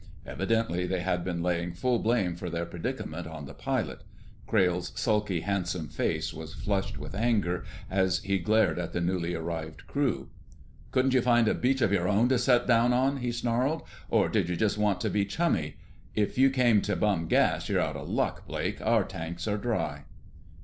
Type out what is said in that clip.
Evidently they had been laying full blame for their predicament on the pilot. Crayle's sulky, handsome face was flushed with anger as he glared at the newly arrived crew. "Couldn't you find a beach of your own to set down on?" he snarled. "Or did you just want to be chummy? If you came to bum gas, you're out of luck, Blake. Our tanks are dry."